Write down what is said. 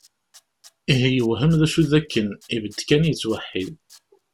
Ihi yewhem d acu d akken, ibedd kan yettweḥḥid.